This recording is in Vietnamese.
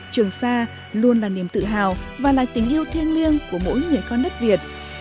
trường sa luôn là niềm tự hào và là tình yêu thiêng liêng của mỗi người con đất việt